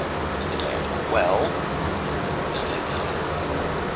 he demanded. "Well?" "Nothing, Connor."